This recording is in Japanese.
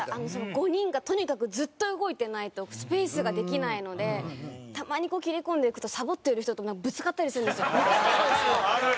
５人が、とにかくずっと動いてないとスペースができないのでたまに切り込んでいくとサボってる人とぶつかったりするんですよ